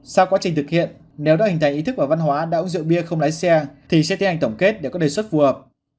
sau quá trình thực hiện nếu đã hình thành ý thức và văn hóa đã uống rượu bia không lái xe thì sẽ tiến hành tổng kết để có đề xuất phù hợp